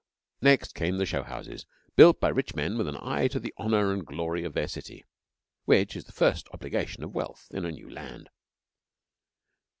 Next came the show houses, built by rich men with an eye to the honour and glory of their city, which is the first obligation of wealth in a new land.